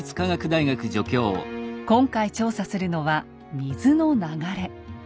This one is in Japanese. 今回調査するのは水の流れ。